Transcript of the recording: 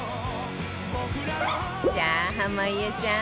さあ濱家さん